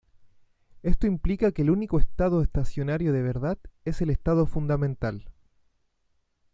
Esto implica que el único estado estacionario de verdad es el estado fundamental.